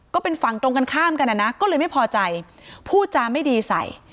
ก็เป็นฝั่งตรงกันข้ามกันนะนะก็เลยไม่พอใจพูดจาไม่ดีใส่